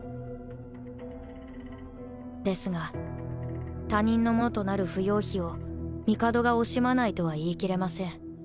ですが他人のものとなる芙蓉妃を帝が惜しまないとは言い切れません。